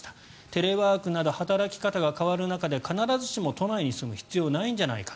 テレワークなど働き方が変わる中で必ずしも都内に住む必要はないんじゃないか。